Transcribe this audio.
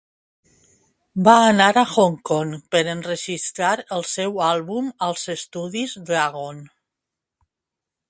Va anar a Hong Kong per enregistrar el seu àlbum als Estudis Dragon.